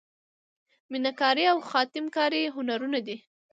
میناکاري او خاتم کاري هنرونه دي.